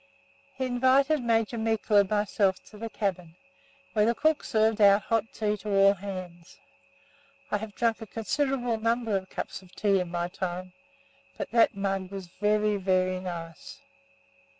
He invited Major Meikle and myself to the cabin, where the cook served out hot tea to all hands. I have drunk a considerable number of cups of tea in my time, but that mug was very, very nice.